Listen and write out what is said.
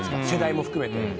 世代も含めて。